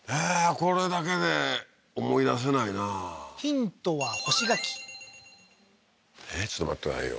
これだけで思い出せないなヒントは干し柿えっちょっと待ってくださいよ